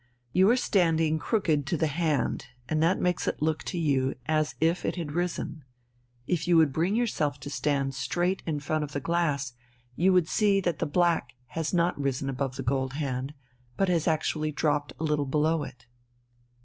You are standing crooked to the hand and that makes it look to you as if it had risen. If you would bring yourself to stand straight in front of the glass, you would see that the black has not risen above the gold hand, but has actually dropped a little below it."